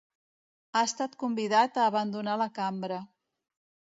Ha estat convidat a abandonar la cambra.